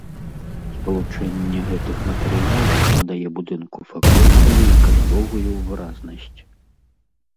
Спалучэнне гэтых матэрыялаў надае будынку фактурную і каляровую выразнасць.